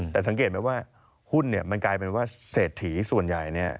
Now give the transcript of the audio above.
แต่สังเกตไหมว่าหุ้นเนี่ยมันกลายเป็นว่าเศรษฐีส่วนใหญ่เนี่ย